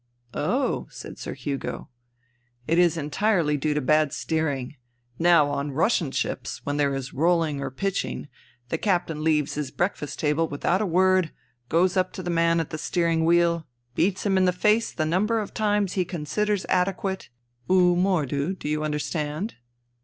" Oh I " said Sir Hugo. "It is entirely due to bad steering. Now on Russian ships when there is rolhng or pitching the captain leaves his breakfast table without a word, goes up to the man at the steering wheel, beats him in the face the number of times he considers adequate {v mordooy do you understand